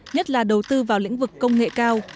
nhất là đầu tư vào lĩnh vực công nghệ cao